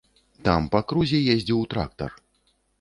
Там па крузе ездзіў трактар.